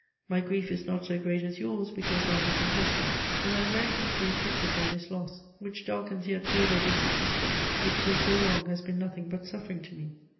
My grief is not so great as yours, because that is impossible; but I am very deeply afflicted by this loss, which darkens yet further this existence which for so long has been nothing but suffering to me.